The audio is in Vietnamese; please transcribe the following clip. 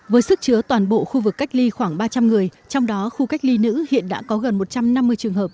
với sức chứa toàn bộ khu vực cách ly khoảng ba trăm linh người trong đó khu cách ly nữ hiện đã có gần một trăm năm mươi trường hợp